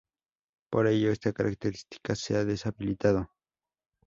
Por ello, esta característica se ha deshabilitado.